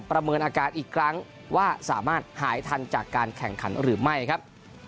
เมินอาการอีกครั้งว่าสามารถหายทันจากการแข่งขันหรือไม่ครับ